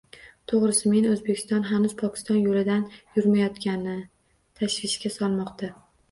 To‘g‘risi, meni O‘zbekiston hanuz Pokiston yo‘lidan yurmayotgani tashvishga solmoqda.